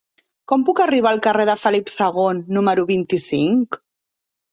Com puc arribar al carrer de Felip II número vint-i-cinc?